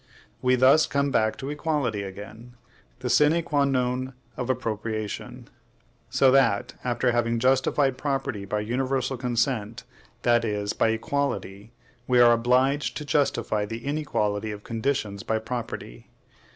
We thus come back to equality again, the sine qua non of appropriation; so that, after having justified property by universal consent, that is, by equality, we are obliged to justify the inequality of conditions by property.